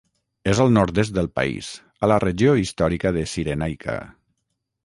És al nord-est del país, a la regió històrica de Cyrenaica.